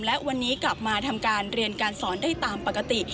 และวันนี้กลับมาทำการเรียนการสอนได้ตามปกติ